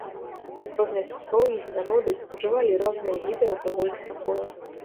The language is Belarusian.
Розныя саслоўі, народы ўжывалі розныя віды алкагольных напояў.